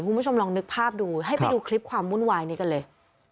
คุณผู้ชมลองนึกภาพดูให้ไปดูคลิปความวุ่นวายนี้กันเลย